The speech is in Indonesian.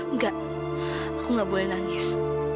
enggak aku nggak boleh nangis